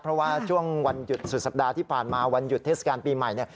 เพราะว่าช่วงสุดสัปดาห์ที่ผ่านมาวันหยุดเทศกาลปีใหม่